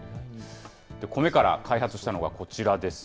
コメから開発したのがこちらです。